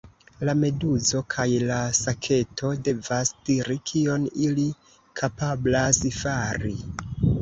La meduzo kaj la saketo devas diri kion ili kapablas fari.